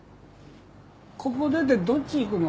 ここ出てどっち行くの？